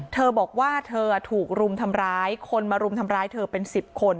เธอบอกว่าเธอถูกรุมทำร้ายคนมารุมทำร้ายเธอเป็น๑๐คน